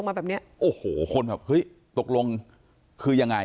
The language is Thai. มิกัลขนิ้น